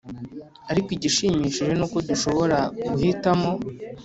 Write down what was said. Ariko igishimishije ni uko dushobora guhitamo